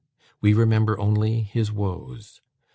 We remember only his woes.